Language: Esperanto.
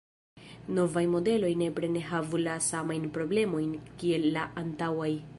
Novaj modeloj nepre ne havu la samajn problemojn kiel la antaŭaj.